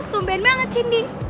sumban banget sih mbing